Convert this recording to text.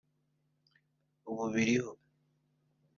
ubu biriho